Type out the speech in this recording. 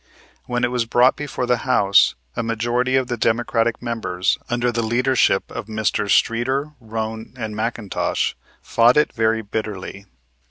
When it was brought before the house, a majority of the Democratic members, under the leadership of Messrs. Streeter, Roane and McIntosh, fought it very bitterly.